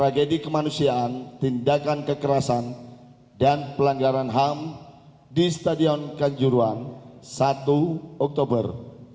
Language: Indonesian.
tragedi kemanusiaan tindakan kekerasan dan pelanggaran ham di stadion kanjuruhan satu oktober dua ribu dua puluh dua